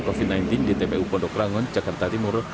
covid sembilan belas di tpu pondok rangon jakarta timur